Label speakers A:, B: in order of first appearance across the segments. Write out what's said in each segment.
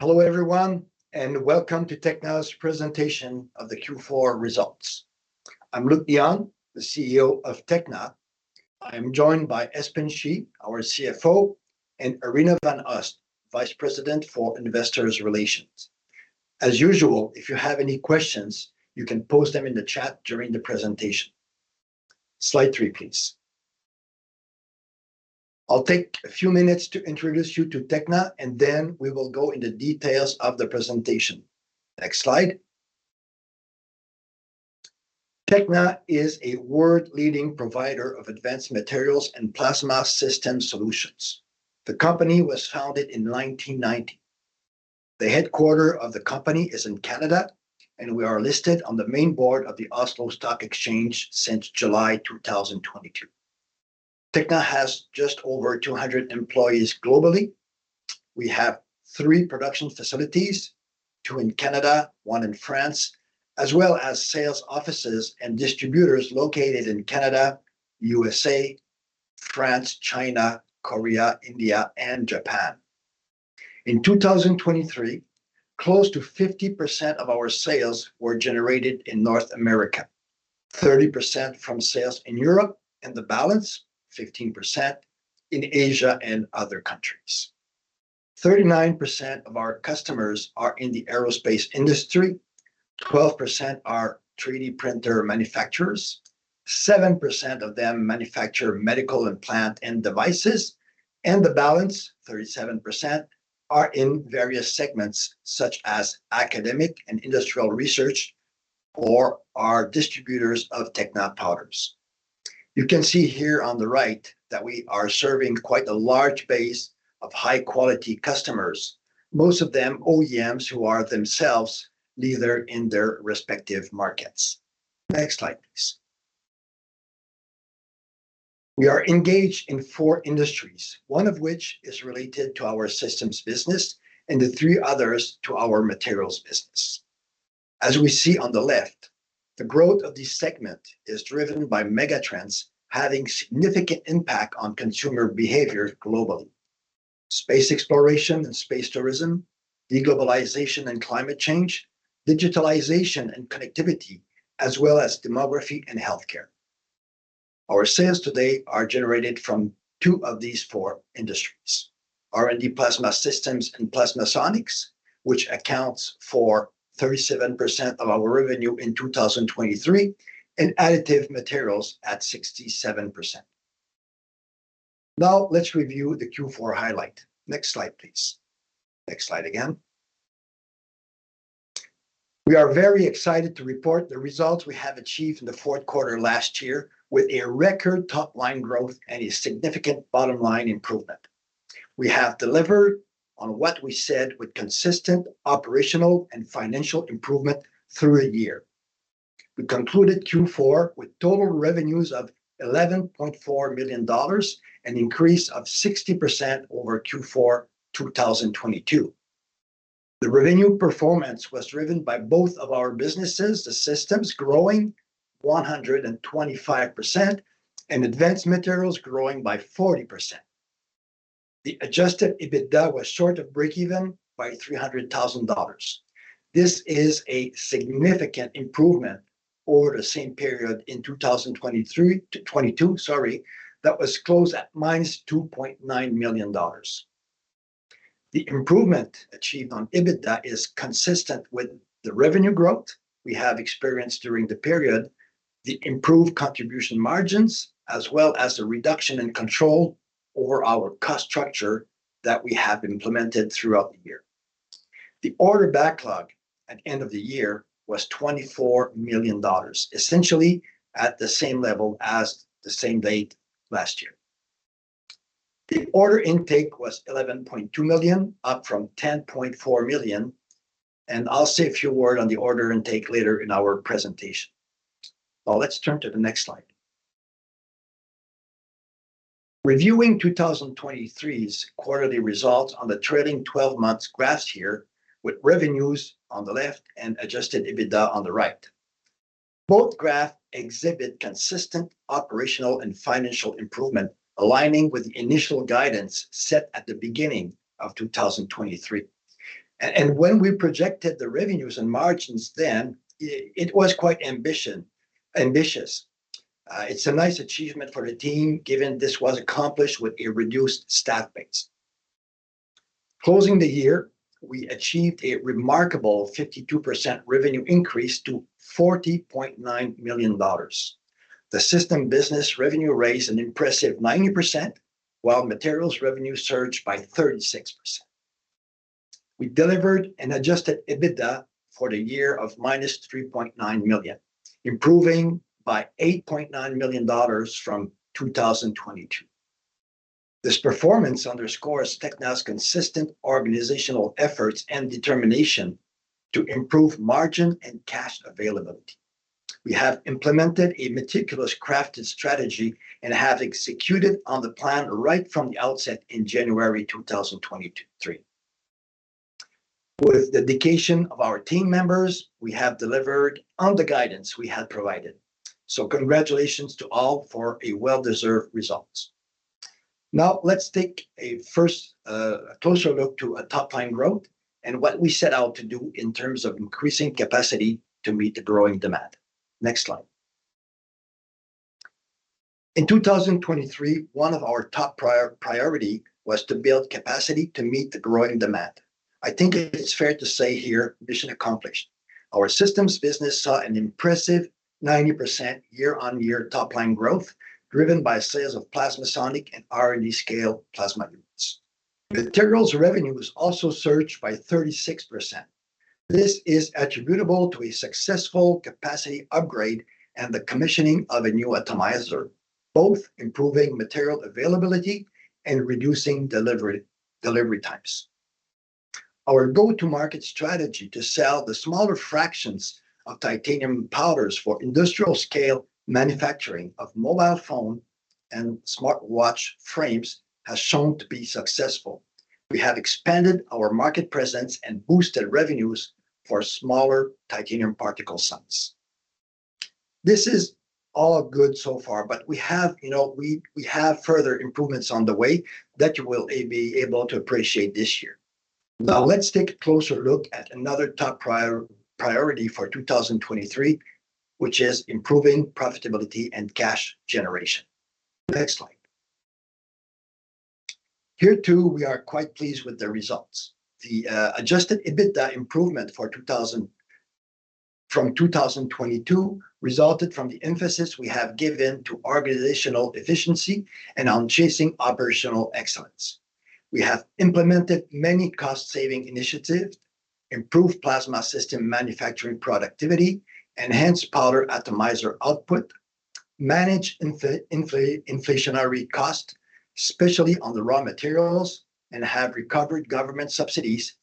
A: Hello everyone, and welcome to Tekna's presentation of the Q4 results. I'm Luc Dionne, the CEO of Tekna. I'm joined by Espen Schie, our CFO, and Arina van Oost, Vice President, Investor Relations. As usual, if you have any questions, you can post them in the chat during the presentation. Slide three, please. I'll take a few minutes to introduce you to Tekna, and then we will go into details of the presentation. Next slide. Tekna is a world-leading provider of advanced materials and plasma system solutions. The company was founded in 1990. The headquarters of the company is in Canada, and we are listed on the main board of the Oslo Stock Exchange since July 2022. Tekna has just over 200 employees globally. We have three production facilities, two in Canada, one in France, as well as sales offices and distributors located in Canada, USA, France, China, Korea, India, and Japan. In 2023, close to 50% of our sales were generated in North America, 30% from sales in Europe, and the balance, 15%, in Asia and other countries. 39% of our customers are in the aerospace industry, 12% are 3D printer manufacturers, 7% of them manufacture medical implants and devices, and the balance, 37%, are in various segments, such as academic and industrial research, or are distributors of Tekna powders. You can see here on the right that we are serving quite a large base of high-quality customers, most of them OEMs, who are themselves leaders in their respective markets. Next slide, please. We are engaged in four industries, one of which is related to our systems business, and the three others to our materials business. As we see on the left, the growth of this segment is driven by megatrends having significant impact on consumer behavior globally: space exploration and space tourism, de-globalization and climate change, digitalization and connectivity, as well as demography and healthcare. Our sales today are generated from two of these four industries, R&D Plasma Systems and PlasmaSonic, which accounts for 37% of our revenue in 2023, and additive materials at 67%. Now, let's review the Q4 highlight. Next slide, please. Next slide again. We are very excited to report the results we have achieved in the Q4 last year with a record top-line growth and a significant bottom-line improvement. We have delivered on what we said with consistent operational and financial improvement through the year. We concluded Q4 with total revenues of 11.4 million dollars, an increase of 60% over Q4 2022. The revenue performance was driven by both of our businesses, the systems growing 125% and advanced materials growing by 40%. The adjusted EBITDA was short of breakeven by 300,000 dollars. This is a significant improvement over the same period in 2023, 2022, sorry, that was closed at -2.9 million dollars. The improvement achieved on EBITDA is consistent with the revenue growth we have experienced during the period, the improved contribution margins, as well as the reduction in control over our cost structure that we have implemented throughout the year. The order backlog at end of the year was 24 million dollars, essentially at the same level as the same date last year. The order intake was 11.2 million, up from 10.4 million, and I'll say a few words on the order intake later in our presentation. Now, let's turn to the next slide. Reviewing 2023's quarterly results on the trailing twelve months graphs here, with revenues on the left and adjusted EBITDA on the right. Both graphs exhibit consistent operational and financial improvement, aligning with the initial guidance set at the beginning of 2023. And when we projected the revenues and margins then, it was quite ambitious. It's a nice achievement for the team, given this was accomplished with a reduced staff base. Closing the year, we achieved a remarkable 52% revenue increase to 40.9 million dollars. The system business revenue raised an impressive 90%, while materials revenue surged by 36%. We delivered an adjusted EBITDA for the year of -3.9 million, improving by 8.9 million dollars from 2022. This performance underscores Tekna's consistent organizational efforts and determination to improve margin and cash availability. We have implemented a meticulous crafted strategy and have executed on the plan right from the outset in January 2023. With the dedication of our team members, we have delivered on the guidance we had provided, so congratulations to all for a well-deserved results. Now let's take a first, a closer look to our top-line growth and what we set out to do in terms of increasing capacity to meet the growing demand. Next slide. In 2023, one of our top priority was to build capacity to meet the growing demand. I think it's fair to say here, mission accomplished. Our systems business saw an impressive 90% year-on-year top-line growth, driven by sales of PlasmaSonic and R&D scale plasma units. Materials revenue was also surged by 36%. This is attributable to a successful capacity upgrade and the commissioning of a new atomizer, both improving material availability and reducing delivery times. Our go-to-market strategy to sell the smaller fractions of titanium powders for industrial scale manufacturing of mobile phone and smartwatch frames has shown to be successful. We have expanded our market presence and boosted revenues for smaller titanium particle sizes. This is all good so far, but we have, you know, we have further improvements on the way that you will be able to appreciate this year. Now, let's take a closer look at another top priority for 2023, which is improving profitability and cash generation. Next slide. Here, too, we are quite pleased with the results. The adjusted EBITDA improvement for 2023 from 2022 resulted from the emphasis we have given to organizational efficiency and on chasing operational excellence. We have implemented many cost-saving initiatives, improved plasma system manufacturing productivity, enhanced powder atomizer output, managed inflationary costs, especially on the raw materials, and have recovered government subsidies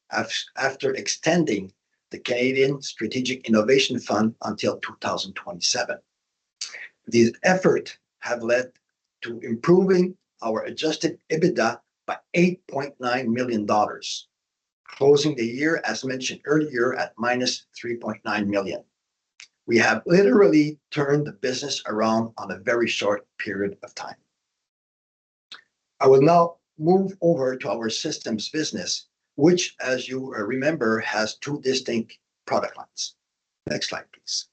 A: after extending the Canadian Strategic Innovation Fund until 2027. These effort have led to improving our adjusted EBITDA by 8.9 million dollars, closing the year, as mentioned earlier, at -3.9 million. We have literally turned the business around on a very short period of time. I will now move over to our systems business, which, as you remember, has two distinct product lines. Next slide, please.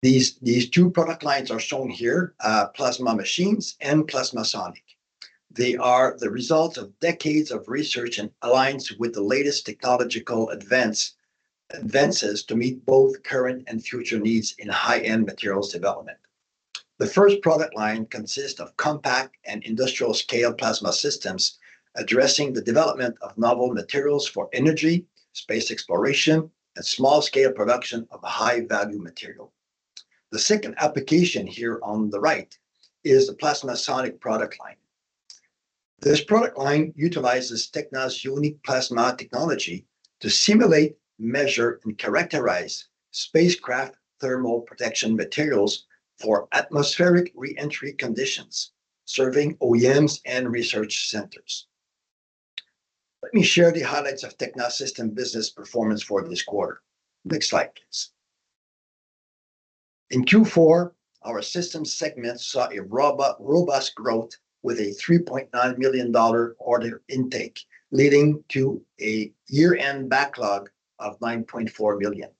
A: These two product lines are shown here, plasma machines and PlasmaSonic. They are the result of decades of research and aligns with the latest technological advances to meet both current and future needs in high-end materials development. The first product line consists of compact and industrial-scale plasma systems, addressing the development of novel materials for energy, space exploration, and small-scale production of high-value material. The second application here on the right is the PlasmaSonic product line. This product line utilizes Tekna's unique plasma technology to simulate, measure, and characterize spacecraft thermal protection materials for atmospheric reentry conditions, serving OEMs and research centers. Let me share the highlights of Tekna's system business performance for this quarter. Next slide, please. In Q4, our system segment saw a robust growth with a 3.9 million dollar order intake, leading to a year-end backlog of 9.4 million.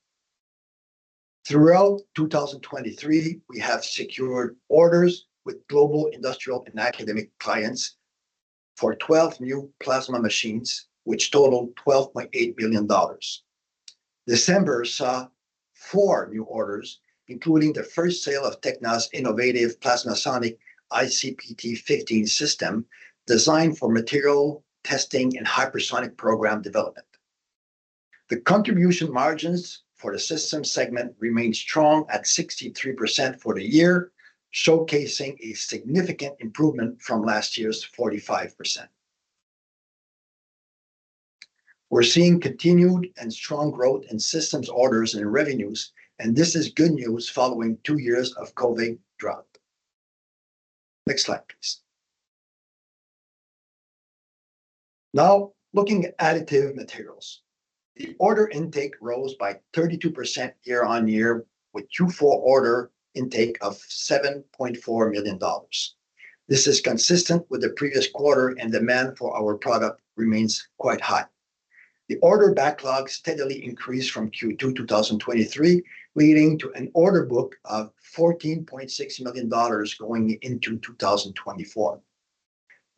A: Throughout 2023, we have secured orders with global, industrial, and academic clients for 12 new plasma machines, which totaled 12.8 million dollars. December saw four new orders, including the first sale of Tekna's innovative PlasmaSonic ICP T-15 system, designed for material testing and hypersonic program development. The contribution margins for the system segment remained strong at 63% for the year, showcasing a significant improvement from last year's 45%. We're seeing continued and strong growth in systems orders and revenues, and this is good news following two years of COVID drop. Next slide, please. Now, looking at additive materials. The order intake rose by 32% year-over-year, with Q4 order intake of 7.4 million dollars. This is consistent with the previous quarter, and demand for our product remains quite high. The order backlog steadily increased from Q2 2023, leading to an order book of 14.6 million dollars going into 2024.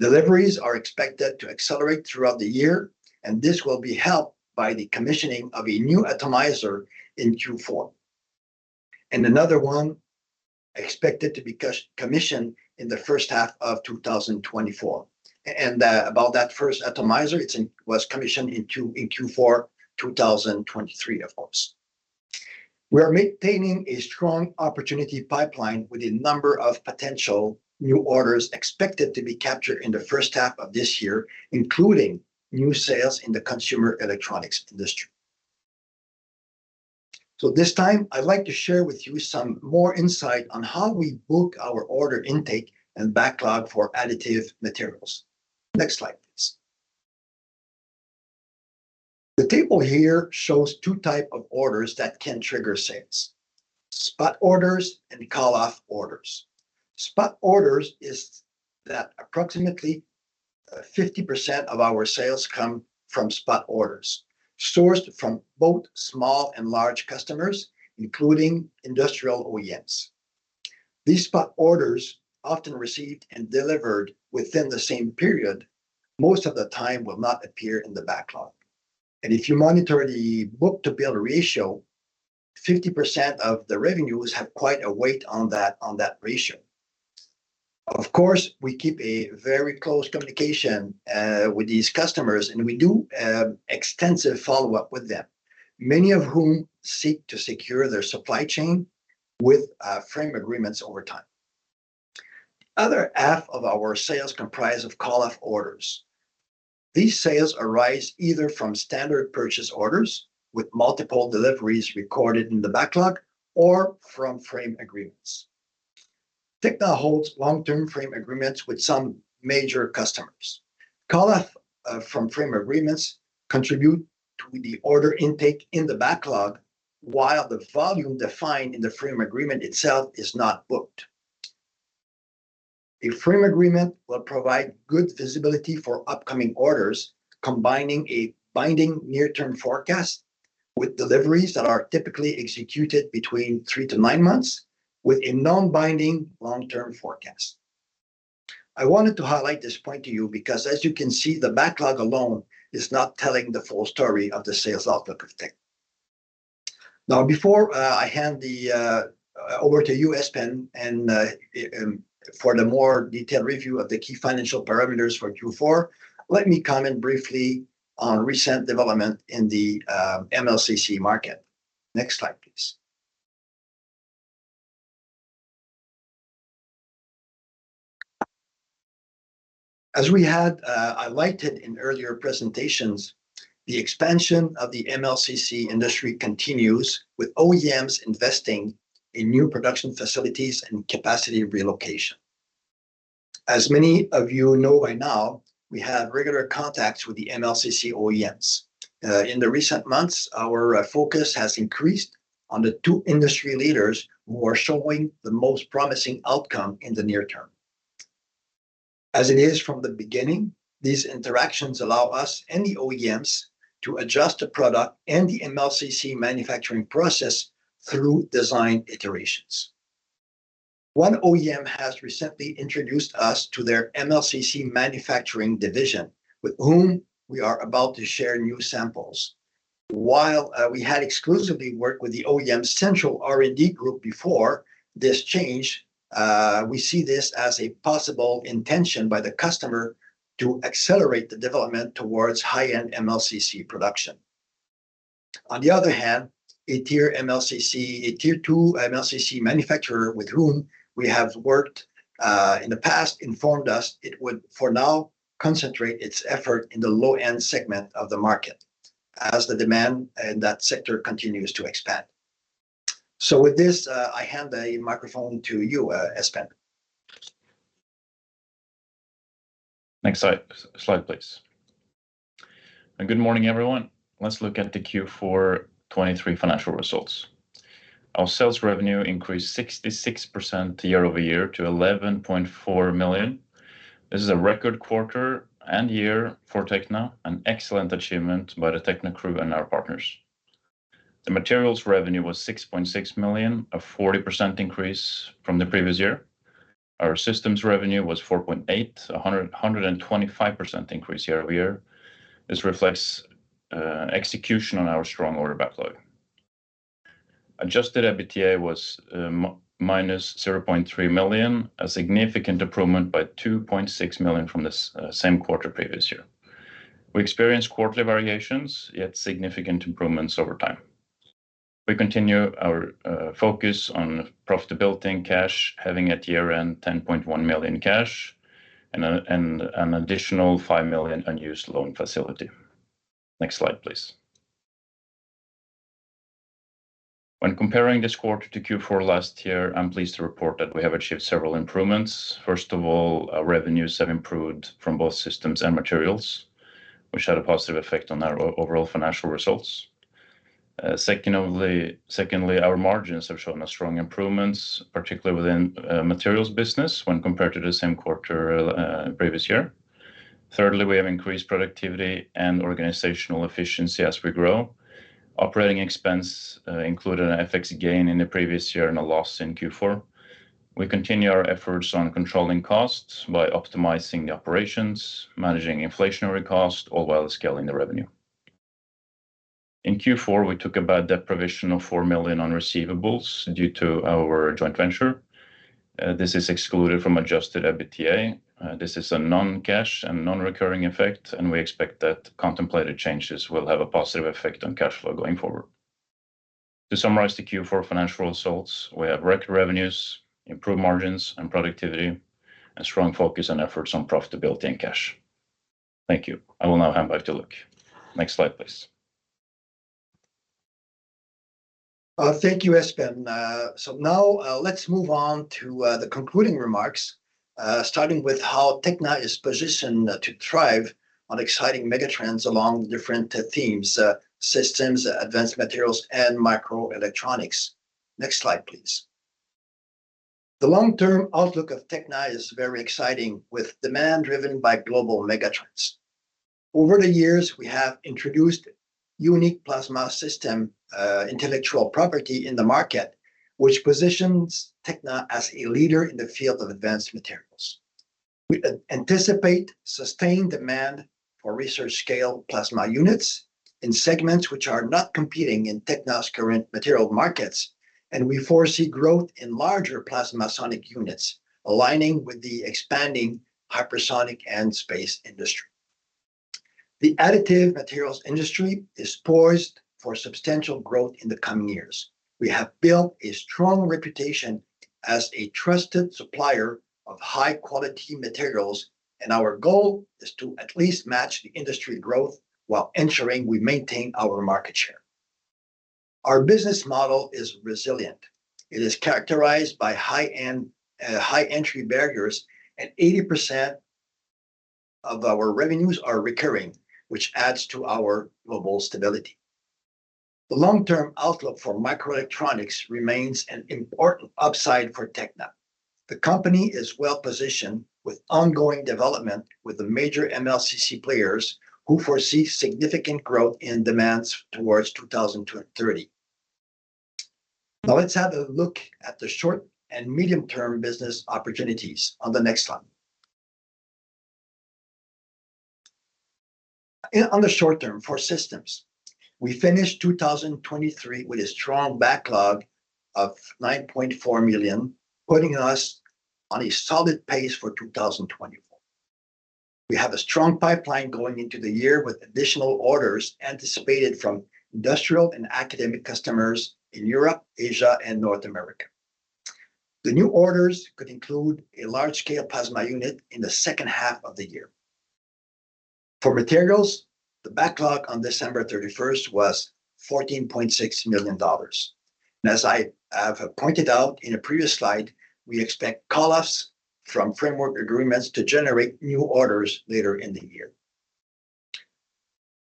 A: Deliveries are expected to accelerate throughout the year, and this will be helped by the commissioning of a new atomizer in Q4, and another one expected to be commissioned in the first half of 2024. about that first atomizer, it was commissioned in Q4 2023, of course. We are maintaining a strong opportunity pipeline with a number of potential new orders expected to be captured in the first half of this year, including new sales in the consumer electronics industry... So this time, I'd like to share with you some more insight on how we book our order intake and backlog for additive materials. Next slide, please. The table here shows two types of orders that can trigger sales: spot orders and call-off orders. Spot orders is that approximately 50% of our sales come from spot orders, sourced from both small and large customers, including industrial OEMs. These spot orders, often received and delivered within the same period, most of the time will not appear in the backlog. And if you monitor the book-to-bill ratio, 50% of the revenues have quite a weight on that, on that ratio. Of course, we keep a very close communication with these customers, and we do extensive follow-up with them, many of whom seek to secure their supply chain with frame agreements over time. Other half of our sales comprise of call-off orders. These sales arise either from standard purchase orders, with multiple deliveries recorded in the backlog, or from frame agreements. Tekna holds long-term frame agreements with some major customers. Call-off from frame agreements contribute to the order intake in the backlog, while the volume defined in the frame agreement itself is not booked. A frame agreement will provide good visibility for upcoming orders, combining a binding near-term forecast with deliveries that are typically executed between three-to-nine months, with a non-binding long-term forecast. I wanted to highlight this point to you because, as you can see, the backlog alone is not telling the full story of the sales outlook of Tekna. Now, before I hand over to you, Espen, for the more detailed review of the key financial parameters for Q4, let me comment briefly on recent developments in the MLCC market. Next slide, please. As we had highlighted in earlier presentations, the expansion of the MLCC industry continues, with OEMs investing in new production facilities and capacity relocation. As many of you know by now, we have regular contacts with the MLCC OEMs. In the recent months, our focus has increased on the two industry leaders who are showing the most promising outcome in the near term. As it is from the beginning, these interactions allow us and the OEMs to adjust the product and the MLCC manufacturing process through design iterations. One OEM has recently introduced us to their MLCC manufacturing division, with whom we are about to share new samples. While we had exclusively worked with the OEM central R&D group before this change, we see this as a possible intention by the customer to accelerate the development towards high-end MLCC production. On the other hand, a tier two MLCC manufacturer, with whom we have worked in the past, informed us it would, for now, concentrate its effort in the low-end segment of the market, as the demand in that sector continues to expand. So with this, I hand the microphone to you, Espen.
B: Next slide, please. Good morning, everyone. Let's look at the Q4 2023 financial results. Our sales revenue increased 66% year-over-year to 11.4 million. This is a record quarter and year for Tekna, an excellent achievement by the Tekna crew and our partners. The materials revenue was 6.6 million, a 40% increase from the previous year. Our systems revenue was 4.8 million, a 125% increase year-over-year. This reflects execution on our strong order backlog. Adjusted EBITDA was minus 0.3 million, a significant improvement by 2.6 million from this same quarter previous year. We experienced quarterly variations, yet significant improvements over time. We continue our focus on profitability and cash, having at year-end 10.1 million in cash and an additional 5 million unused loan facility. Next slide, please. When comparing this quarter to Q4 last year, I'm pleased to report that we have achieved several improvements. First of all, our revenues have improved from both systems and materials, which had a positive effect on our overall financial results. Secondly, our margins have shown a strong improvements, particularly within materials business when compared to the same quarter previous year. Thirdly, we have increased productivity and organizational efficiency as we grow. Operating expense included an FX gain in the previous year and a loss in Q4. We continue our efforts on controlling costs by optimizing the operations, managing inflationary cost, all while scaling the revenue. In Q4, we took a bad debt provision of 4 million on receivables due to our joint venture. This is excluded from adjusted EBITDA. This is a non-cash and non-recurring effect, and we expect that contemplated changes will have a positive effect on cash flow going forward. To summarize the Q4 financial results, we have record revenues, improved margins and productivity, and strong focus on efforts on profitability and cash.... Thank you. I will now hand back to Luc. Next slide, please.
A: Thank you, Espen. So now, let's move on to the concluding remarks, starting with how Tekna is positioned to thrive on exciting megatrends along the different themes, systems, advanced materials, and microelectronics. Next slide, please. The long-term outlook of Tekna is very exciting, with demand driven by global megatrends. Over the years, we have introduced unique plasma system intellectual property in the market, which positions Tekna as a leader in the field of advanced materials. We anticipate sustained demand for research scale plasma units in segments which are not competing in Tekna's current material markets, and we foresee growth in larger PlasmaSonic units, aligning with the expanding hypersonic and space industry. The additive materials industry is poised for substantial growth in the coming years. We have built a strong reputation as a trusted supplier of high-quality materials, and our goal is to at least match the industry growth while ensuring we maintain our market share. Our business model is resilient. It is characterized by high-end, high entry barriers, and 80% of our revenues are recurring, which adds to our global stability. The long-term outlook for microelectronics remains an important upside for Tekna. The company is well-positioned, with ongoing development with the major MLCC players, who foresee significant growth in demands towards 2030. Now, let's have a look at the short- and medium-term business opportunities on the next slide. In, on the short term, for systems, we finished 2023 with a strong backlog of 9.4 million, putting us on a solid pace for 2024. We have a strong pipeline going into the year, with additional orders anticipated from industrial and academic customers in Europe, Asia, and North America. The new orders could include a large-scale plasma unit in the second half of the year. For materials, the backlog on December 31 was CAD 14.6 million. As I have pointed out in a previous slide, we expect call-offs from framework agreements to generate new orders later in the year.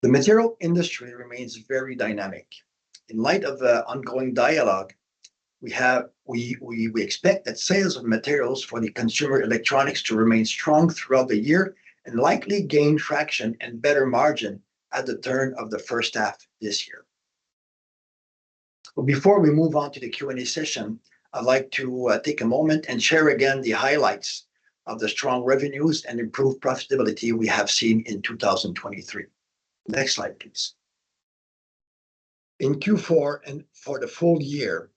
A: The material industry remains very dynamic. In light of the ongoing dialogue, we expect that sales of materials for the consumer electronics to remain strong throughout the year and likely gain traction and better margin at the turn of the first half this year. Well, before we move on to the Q&A session, I'd like to take a moment and share again the highlights of the strong revenues and improved profitability we have seen in 2023. Next slide, please. In Q4, and for the full year,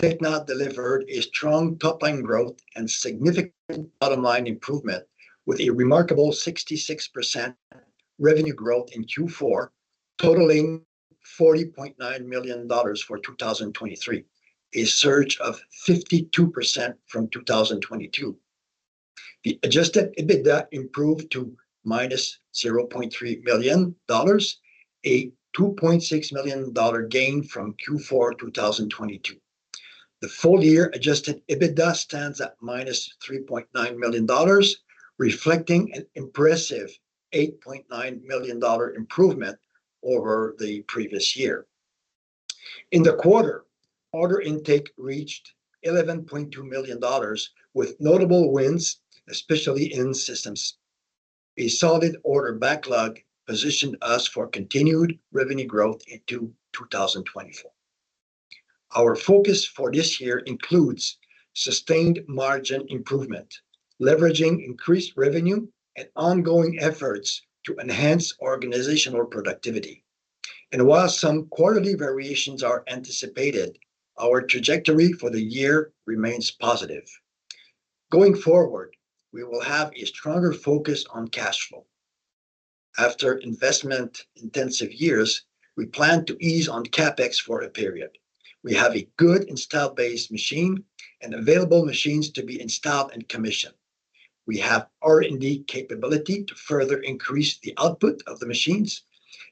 A: Tekna delivered a strong top-line growth and significant bottom-line improvement, with a remarkable 66% revenue growth in Q4, totaling 40.9 million dollars for 2023, a surge of 52% from 2022. The adjusted EBITDA improved to -0.3 million dollars, a 2.6 million dollar gain from Q4 2022. The full year adjusted EBITDA stands at -3.9 million dollars, reflecting an impressive 8.9 million dollar improvement over the previous year. In the quarter, order intake reached 11.2 million dollars, with notable wins, especially in systems. A solid order backlog positioned us for continued revenue growth into 2024. Our focus for this year includes sustained margin improvement, leveraging increased revenue, and ongoing efforts to enhance organizational productivity. While some quality variations are anticipated, our trajectory for the year remains positive. Going forward, we will have a stronger focus on cash flow. After investment-intensive years, we plan to ease on CapEx for a period. We have a good install-based machine and available machines to be installed and commissioned. We have R&D capability to further increase the output of the machines,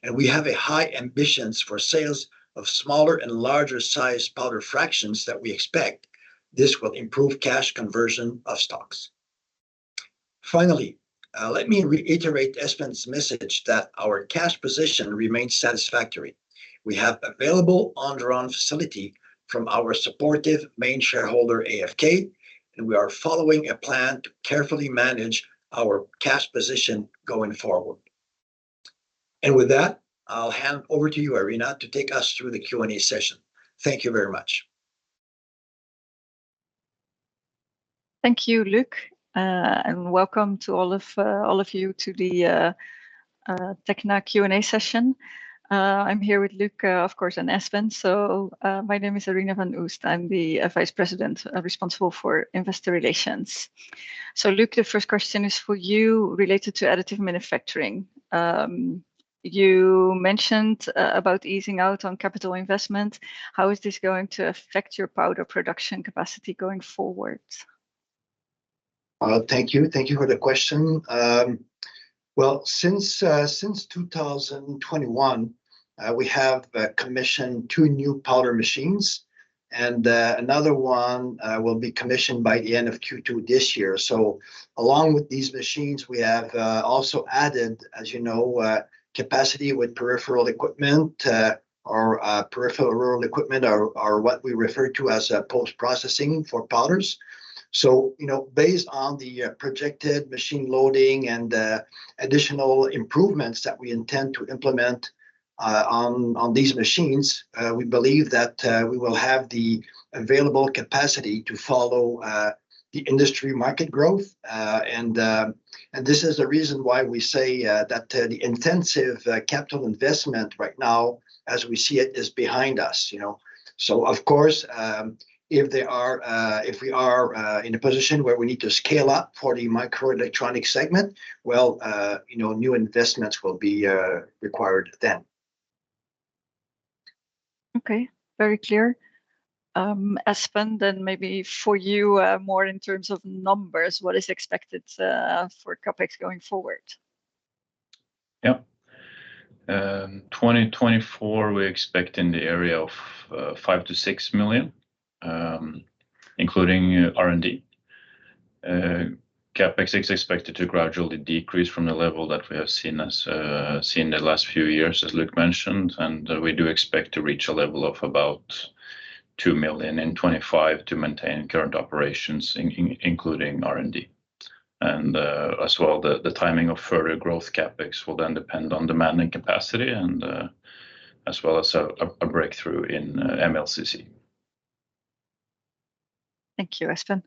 A: and we have high ambitions for sales of smaller and larger size powder fractions that we expect. This will improve cash conversion of stocks. Finally, let me reiterate Espen's message that our cash position remains satisfactory. We have available on-demand facility from our supportive main shareholder, AFK, and we are following a plan to carefully manage our cash position going forward. With that, I'll hand over to you, Arina, to take us through the Q&A session. Thank you very much.
C: Thank you, Luc, and welcome to all of you to the Tekna Q&A session. I'm here with Luc, of course, and Espen. So, my name is Arina van Oost. I'm the Vice President responsible for Investor Relations. So Luc, the first question is for you, related to additive manufacturing. You mentioned about easing out on capital investment. How is this going to affect your powder production capacity going forward?...
A: Thank you. Thank you for the question. Well, since 2021, we have commissioned two new powder machines, and another one will be commissioned by the end of Q2 this year. So along with these machines, we have also added, as you know, capacity with peripheral equipment are what we refer to as post-processing for powders. So, you know, based on the projected machine loading and additional improvements that we intend to implement on these machines, we believe that we will have the available capacity to follow the industry market growth. And this is the reason why we say that the intensive capital investment right now, as we see it, is behind us, you know? So of course, if we are in a position where we need to scale up for the microelectronic segment, well, you know, new investments will be required then.
C: Okay, very clear. Espen, then maybe for you, more in terms of numbers, what is expected for CapEx going forward?
B: Yeah. 2024, we expect in the area of 5-6 million, including R&D. CapEx is expected to gradually decrease from the level that we have seen, as we see in the last few years, as Luc mentioned, and we do expect to reach a level of about 2 million in 2025 to maintain current operations, including R&D. And, as well, the timing of further growth CapEx will then depend on demand and capacity, and as well as a breakthrough in MLCC.
C: Thank you, Espen.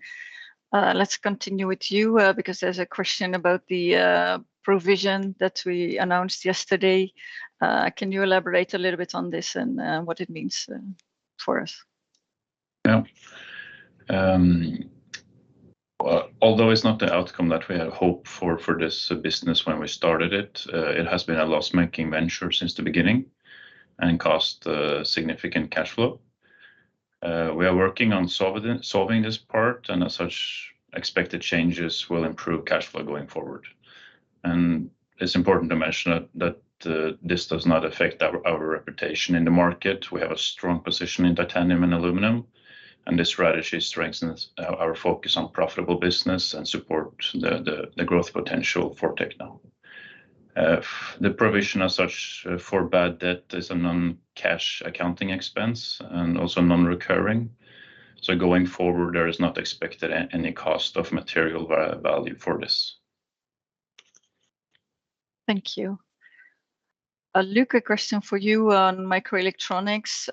C: Let's continue with you, because there's a question about the provision that we announced yesterday. Can you elaborate a little bit on this and what it means for us?
B: Yeah. Although it's not the outcome that we had hoped for, for this business when we started it, it has been a loss-making venture since the beginning and cost significant cash flow. We are working on solving this part, and as such, expected changes will improve cash flow going forward. And it's important to mention that this does not affect our reputation in the market. We have a strong position in titanium and aluminum, and this strategy strengthens our focus on profitable business and support the growth potential for Tekna. The provision as such for bad debt is a non-cash accounting expense and also non-recurring. So going forward, there is not expected any cost of material value for this.
C: Thank you. Luc, a question for you on microelectronics.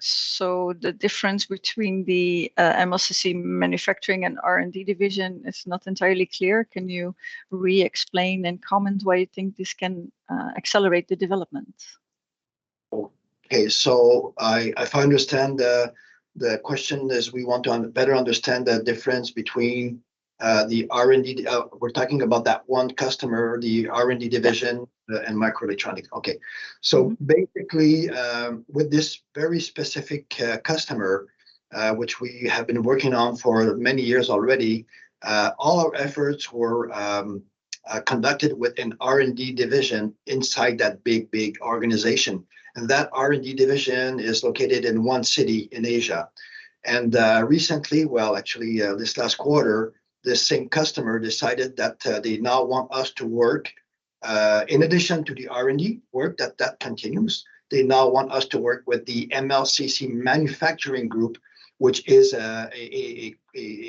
C: So the difference between the MLCC manufacturing and R&D division is not entirely clear. Can you re-explain and comment why you think this can accelerate the development?
A: Okay. So if I understand, the question is we want to better understand the difference between the R&D and microelectronics. Okay. So basically, with this very specific customer, which we have been working on for many years already, all our efforts were conducted with an R&D division inside that big organization. And that R&D division is located in one city in Asia. And recently, well, actually, this last quarter, this same customer decided that they now want us to work, in addition to the R&D work, that that continues, they now want us to work with the MLCC manufacturing group, which is a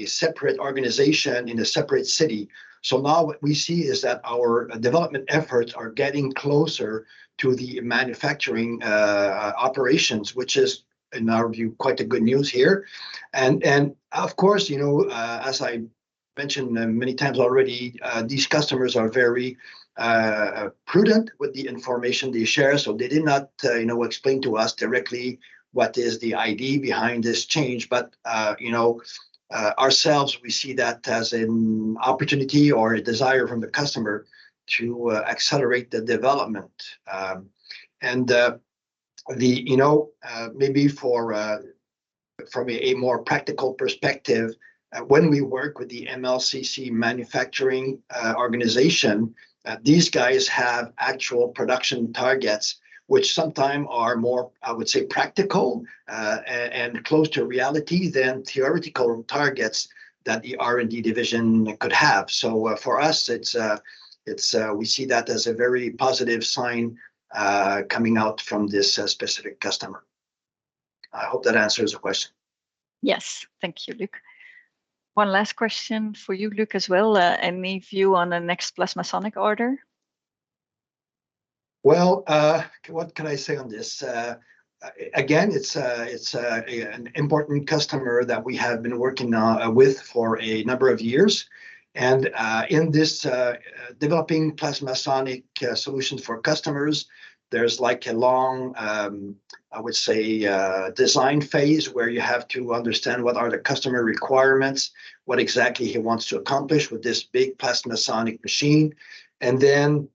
A: separate organization in a separate city. So now what we see is that our development efforts are getting closer to the manufacturing operations, which is, in our view, quite a good news here. And of course, you know, as I mentioned many times already, these customers are very prudent with the information they share, so they did not, you know, explain to us directly what is the idea behind this change. But, you know, ourselves, we see that as an opportunity or a desire from the customer to accelerate the development. And, you know, maybe from a more practical perspective, when we work with the MLCC manufacturing organization, these guys have actual production targets, which sometimes are more, I would say, practical and close to reality than theoretical targets that the R&D division could have. So, for us, we see that as a very positive sign, coming out from this specific customer. I hope that answers the question.
C: Yes. Thank you, Luc. One last question for you, Luc, as well. Any view on the next PlasmaSonic order?
A: Well, what can I say on this? Again, it's an important customer that we have been working with for a number of years. And in this developing PlasmaSonic solution for customers, there's like a long, I would say, design phase, where you have to understand what are the customer requirements, what exactly he wants to accomplish with this big PlasmaSonic machine. And then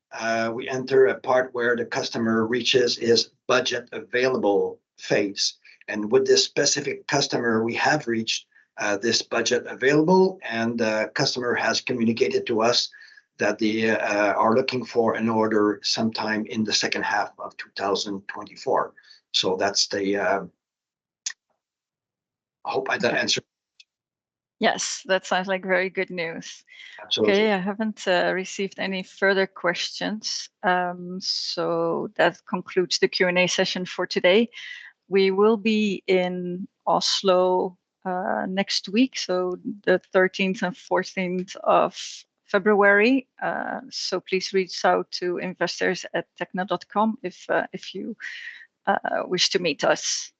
A: we enter a part where the customer reaches his budget available phase. And with this specific customer, we have reached this budget available, and the customer has communicated to us that they are looking for an order sometime in the second half of 2024. So that's the... I hope I did answer.
C: Yes, that sounds like very good news.
A: Absolutely.
C: Okay, I haven't received any further questions. That concludes the Q&A session for today. We will be in Oslo next week, so the thirteenth and fourteenth of February. Please reach out to investors@tekna.com if you wish to meet us.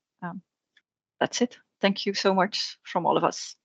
C: That's it. Thank you so much from all of us.